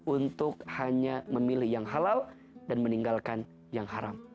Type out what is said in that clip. untuk hanya memilih yang halal dan meninggalkan yang haram